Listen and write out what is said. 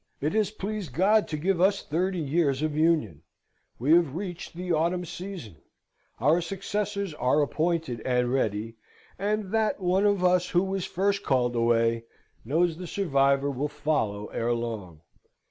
It has pleased God to give us thirty years of union. We have reached the autumn season. Our successors are appointed and ready; and that one of us who is first called away, knows the survivor will follow ere long.